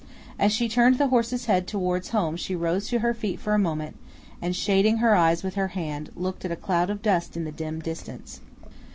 As she turned the horse's head towards home she rose to her feet for a moment, and shading her eyes with her hand, looked at a cloud of dust in the dim distance.